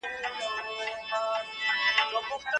څنګه لوی سوداګر تور جلغوزي هند ته لیږدوي؟